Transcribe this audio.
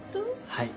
はい。